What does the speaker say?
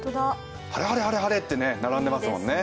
晴れ晴れ晴れ晴れって並んでますよね。